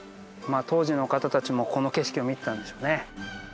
当時の方たちもこの景色を見てたんでしょうね。